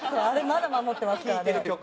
あれまだ守ってますからね。